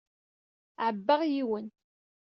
Ɛebbaɣ yiwen.